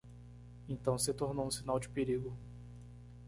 Então se tornou um sinal de perigo.